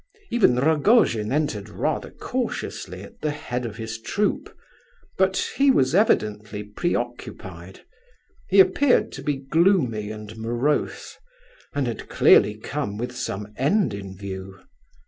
Even Rogojin entered rather cautiously at the head of his troop; but he was evidently preoccupied. He appeared to be gloomy and morose, and had clearly come with some end in view.